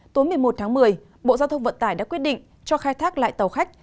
tối một mươi một tháng một mươi bộ giao thông vận tải đã quyết định cho khai thác lại tàu khách